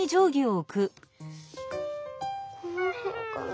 このへんかな？